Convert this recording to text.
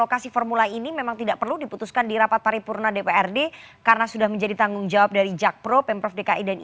kalau disebutkan asan dadanya di penjajahandesign